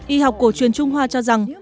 y học của truyền trung hoa cho rằng